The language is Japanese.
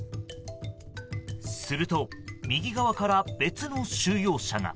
すると、右側から別の収容者が。